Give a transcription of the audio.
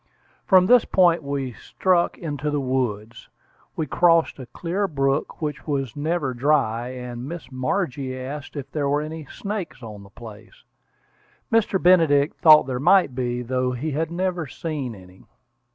From this point we struck into the woods. We crossed a clear brook which was never dry; and Miss Margie asked if there were any snakes on the place. Mr. Benedict thought there might be, though he had never seen any.